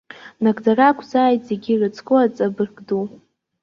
Нагӡара ақәзааит зегьы ирыцку аҵабырг ду.